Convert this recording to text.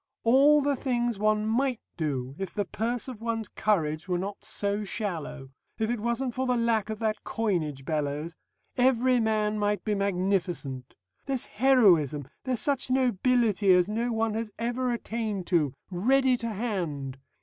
All the things one might do, if the purse of one's courage were not so shallow. If it wasn't for the lack of that coinage, Bellows, every man might be magnificent. There's heroism, there's such nobility as no one has ever attained to, ready to hand.